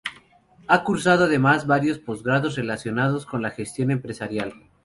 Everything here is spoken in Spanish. Ha cursado además varios postgrados relacionados con la gestión empresarial.